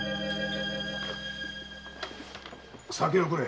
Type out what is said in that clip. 酒をくれ。